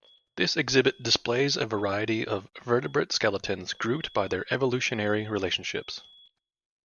This exhibit displays a variety of vertebrate skeletons grouped by their evolutionary relationships.